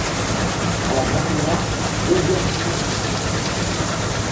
Elle a maintenant un deuxième fils.